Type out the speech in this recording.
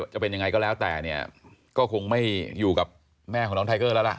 จะเป็นยังไงก็แล้วแต่เนี่ยก็คงไม่อยู่กับแม่ของน้องไทเกอร์แล้วล่ะ